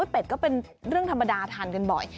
เป็ดก็เป็นเรื่องธรรมดาทานกันบ่อย